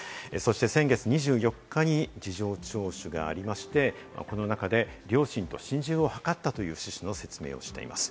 先月２４日に事情聴取がありまして、この中で両親と心中を図ったという趣旨の説明をしています。